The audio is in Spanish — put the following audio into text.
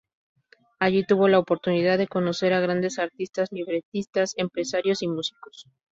Allí tuvo la oportunidad de conocer a grandes artistas, libretistas, empresarios y músicos.